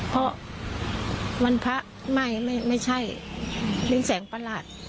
เพราะวันพระไม่ไม่ใช่เป็นแสงประหลาด